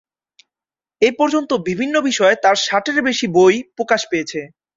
এপর্যন্ত বিভিন্ন বিষয়ে তার ষাটের বেশি বই প্রকাশ পেয়েছে।